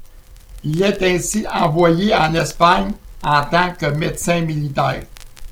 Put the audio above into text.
Il est ainsi envoyé en Espagne en tant que médecin militaire.